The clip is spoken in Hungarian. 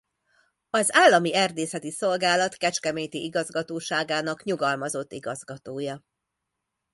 Az Állami Erdészeti Szolgálat Kecskeméti Igazgatóságának nyugalmazott igazgatója.